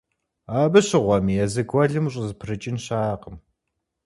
Абы щыгъуэми езы гуэлым ущӀызэпрыкӀын щыӀэкъым.